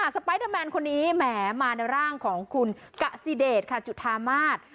สไปเดอร์แมนคนนี้แหมมาในร่างของคุณกะสิเดชค่ะจุธามาศ